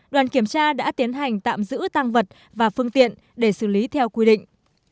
đoàn kiểm tra đã tiến hành tạm giữ tăng vật và phương tiện để xử lý theo quy định